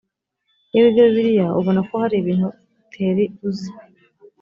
iyo wiga bibiliya ubona ko hari ibintu uteri uzi